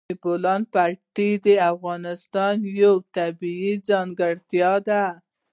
د بولان پټي د افغانستان یوه طبیعي ځانګړتیا ده.